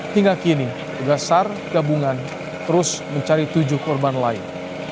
hingga kini tugas sar gabungan terus mencari tujuh korban lain